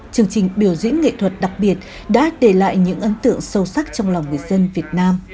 chương trình biểu diễn nghệ thuật đặc biệt đã để lại những ấn tượng sâu sắc trong lòng người dân việt nam